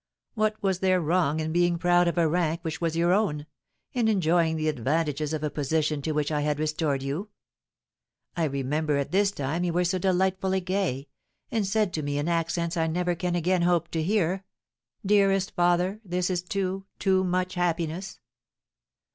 What was there wrong in being proud of a rank which was your own, in enjoying the advantages of a position to which I had restored you? I remember at this time you were so delightfully gay, and said to me in accents I never can again hope to hear, 'Dearest father, this is too, too much happiness!'